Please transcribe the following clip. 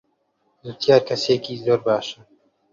جوتیار کەسێکی زۆر باشە.